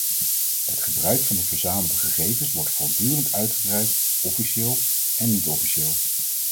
Het gebruik van de verzamelde gegevens wordt voortdurend uitgebreid, officieel en niet-officieel.